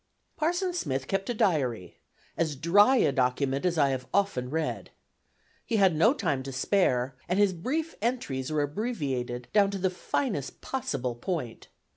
Parson Smith kept a diary, as dry a document as I have often read. He had no time to spare, and his brief entries are abbreviated down to the finest possible point.